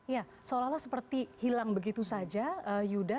ya seolah olah seperti hilang begitu saja yuda